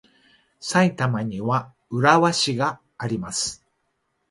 埼玉には浦和市があります。